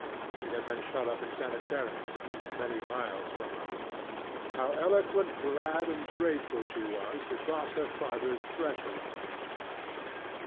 She had been shut up in sanitariums, many miles from us. How eloquently glad and grateful she was to cross her fatherŌĆÖs threshold again!